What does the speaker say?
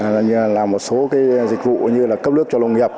làm một số dịch vụ như cấp lước cho nông nghiệp